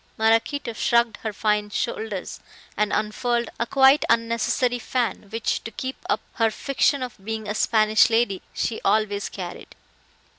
Maraquito shrugged her fine shoulders and unfurled a quite unnecessary fan, which, to keep up her fiction of being a Spanish lady, she always carried.